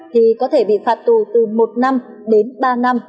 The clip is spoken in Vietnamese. thì có thể bị phạt tù từ một năm đến ba năm